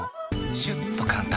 シュッと簡単！